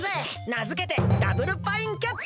なづけてダブルパインキャッチ！